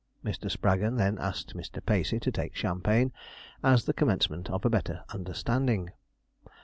Mr. Spraggon then asked Mr. Pacey to take champagne, as the commencement of a better understanding.